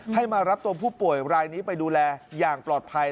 ให้มารับตัวผู้ป่วยรายนี้ไปดูแลอย่างปลอดภัย